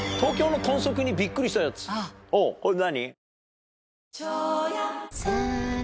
これ何？